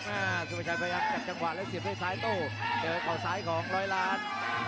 หน้าซุประชายพยายามจัดจังหวะแล้วเสียบให้ซ้ายตู้เจอข่าวซ้ายของรอยล้าน